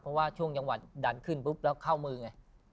เพราะว่าช่วงจังหวัดดันขึ้นปุ๊บแล้วเข้ามือไง